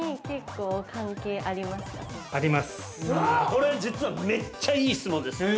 ◆これ実はめっちゃいい質問です。